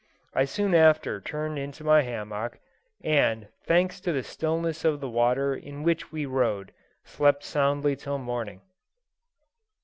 I soon after turned into my hammock, and, thanks to the stillness of the water in which we rode, slept soundly till morning.